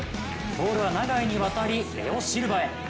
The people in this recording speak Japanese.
ボールは永井に渡りレオ・シルバへ。